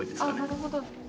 なるほど。